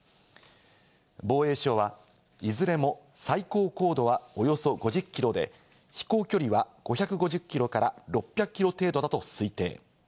防衛省は、いずれも最高高度はおよそ５０キロで、飛行距離は５５０キロから６００キロ程度だと推定。